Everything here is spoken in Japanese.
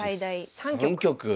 ３局？